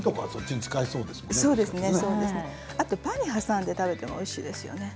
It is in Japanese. あとパンに挟んで食べてもおいしいですよ。